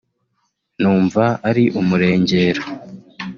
numva ari umurengera